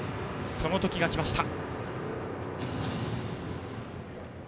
その時が来ました。